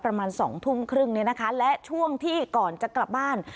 ประมาณ๒ทุ่มครึ่งและช่วงที่ก่อนจะกลับบ้าน